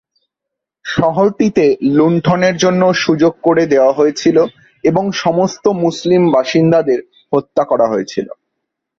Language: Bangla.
শহরটিতে লুণ্ঠনের জন্য সুযোগ করে দেওয়া হয়েছিল এবং সমস্ত মুসলিম বাসিন্দাদের হত্যা করা হয়েছিল।